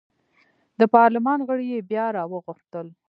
د پارلمان غړي یې بیا راوغوښتل.